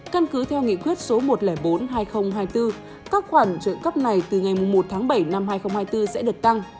căn cứ theo nghị quyết số một trăm linh bốn hai nghìn hai mươi bốn các khoản trợ cấp này từ ngày một tháng bảy năm hai nghìn hai mươi bốn sẽ được tăng